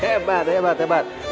hebat hebat hebat